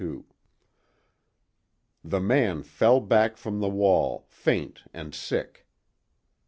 The man fell back from the wall, faint and sick.